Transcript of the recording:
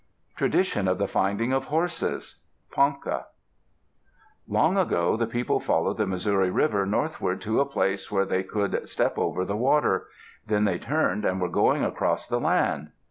TRADITION OF THE FINDING OF HORSES Ponca Long ago, the people followed the Missouri River northward to a place where they could step over the water. Then they turned, and were going across the land.